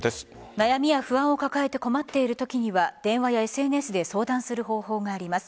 悩みや不安を抱えて困っているときには電話やＳＮＳで相談する方法があります。